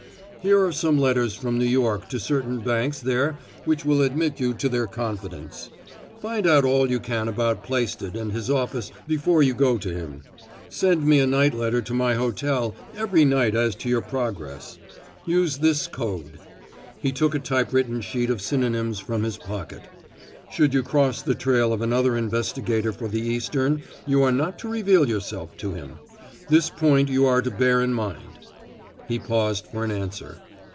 Here are some letters from New York to certain banks there which will admit you to their confidence. Find out all you can about Plaisted and his office before you go to him. Send me a night letter to my hotel every night as to your progress. Use this code." He took a typewritten sheet of synonyms from his pocket. "Should you cross the trail of another investigator for the Eastern, you are not to reveal yourself to him. This point you are to bear in mind." He paused for an answer.